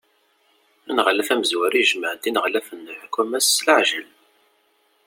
Aneɣlaf amezwaru ijmeɛ-d ineɣlafen n lḥukuma-s s leɛjel.